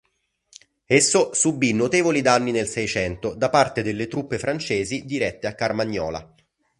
Esso subì notevoli danni nel Seicento da parte delle truppe francesi dirette a Carmagnola.